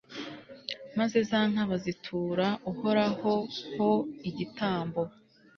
maze za nka bazitura uhoraho ho igitambo